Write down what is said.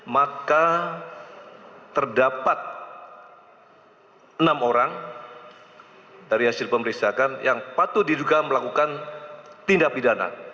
maka terdapat enam orang dari hasil pemeriksaan yang patut diduga melakukan tindak pidana